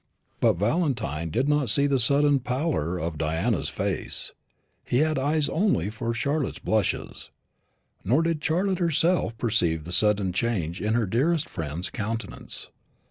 But Valentine did not see the sudden pallor of Diana's face he had eyes only for Charlotte's blushes. Nor did Charlotte herself perceive the sudden change in her dearest friend's countenance.